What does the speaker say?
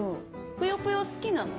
ぷよぷよ好きなの？